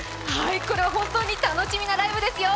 これは本当に楽しみなライブですよ。